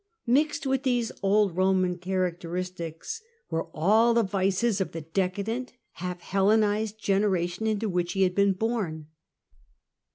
Mixed with these old Roman characteristics were all the vices of the decadent half Hellenised generation into which he had been born.